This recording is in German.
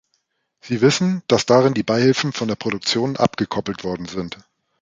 Sie wissen, dass darin die Beihilfen von der Produktion abgekoppelt worden sind.